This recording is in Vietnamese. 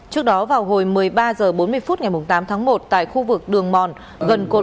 trước đó vào hồi một mươi ba h bốn mươi phút ngày tám tháng một tại khu vực đường mòn gần cột